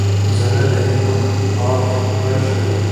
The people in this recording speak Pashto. زړه د هيلو پار بښي.